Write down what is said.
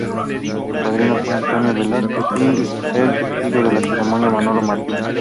Su padrino fue Antonio Velázquez y el testigo de la ceremonia Manolo Martínez.